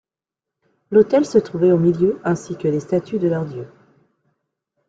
L'autel se trouvait au milieu ainsi que les statues de leurs dieux.